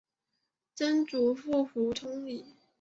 曾祖父胡通礼。